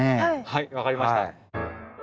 はい分かりました。